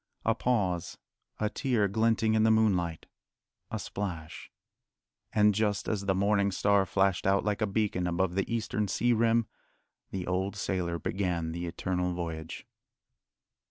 A pause, a tear glinting in the moonlight, a splash and just as the morning star flashed out like a beacon above the eastern sea rim, the old sailor began the Eternal Voyage.